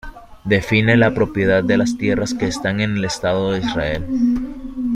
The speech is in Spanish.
Define la propiedad de las tierras que están en el estado de Israel.